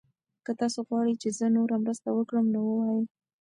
که تاسي غواړئ چې زه نوره مرسته وکړم نو ووایئ.